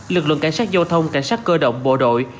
lực lượng cảnh sát giao thông cảnh sát cơ động bộ đội